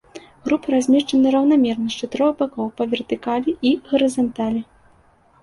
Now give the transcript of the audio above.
Групы размешчаны раўнамерна з чатырох бакоў па вертыкалі і гарызанталі.